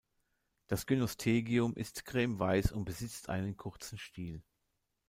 Das Gynostegium ist cremeweiß und besitzt einen kurzen Stiel.